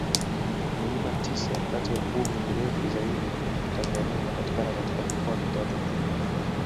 Milima tisa kati ya kumi mirefu zaidi Tanzania inapatikana katika mikoa mitatu tu